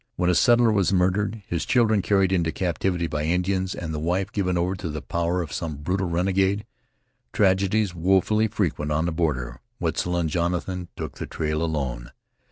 When a settler was murdered, his children carried into captivity by Indians, and the wife given over to the power of some brutal renegade, tragedies wofully frequent on the border, Wetzel and Jonathan took the trail alone.